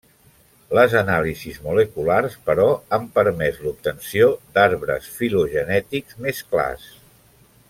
Les anàlisis moleculars però, han permès l'obtenció d'arbres filogenètics més clars.